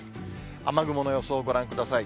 雨雲の予想をご覧ください。